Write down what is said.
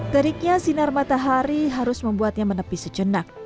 teriknya sinar matahari harus membuatnya menepi sejenak